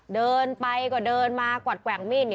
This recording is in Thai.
เดินไปก็เดินมากวัดแกว่งมีด